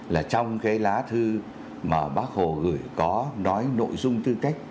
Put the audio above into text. là trong cái lá thư mà bác hồ gửi có nói nội dung tư cách